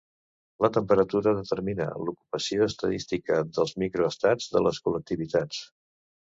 La temperatura determina l'ocupació estadística dels microestats de les col·lectivitats.